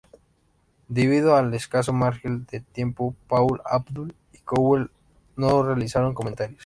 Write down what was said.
Debido al escaso margen de tiempo, Paula Abdul y Cowell no realizaron comentarios.